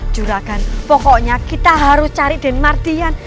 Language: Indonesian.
juragan pokoknya kita harus cari den mardian